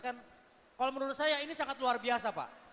kalau menurut saya ini sangat luar biasa pak